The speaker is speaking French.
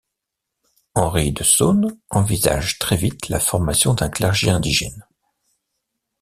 Henri de Saune envisage très vite la formation d'un clergé indigène.